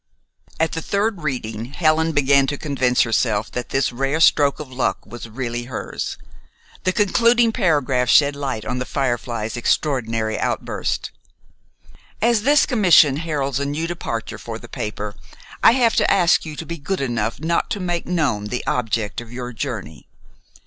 At the third reading Helen began to convince herself that this rare stroke of luck was really hers. The concluding paragraph shed light on "The Firefly's" extraordinary outburst. "As this commission heralds a new departure for the paper, I have to ask you to be good enough not to make known the object of your journey.